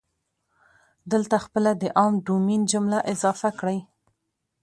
دلته خپله د عام ډومین جمله اضافه کړئ.